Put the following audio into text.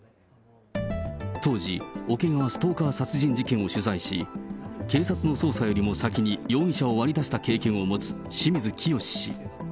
当時、桶川ストーカー殺人事件を取材し、警察の捜査よりも先に容疑者を割り出した経験を持つ清水潔氏。